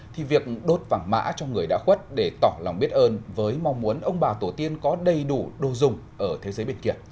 thì việc đốt vàng mã cho người đã khuất để tỏ lòng biết ơn với mong muốn ông bà tổ tiên có đầy đủ đồ dùng ở thế giới bên kia